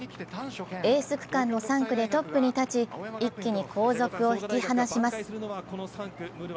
エース区間の３区でトップに立ち一気に後続を引き離します。